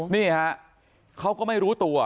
นี่ฮะเขาก็ไม่รู้ตัว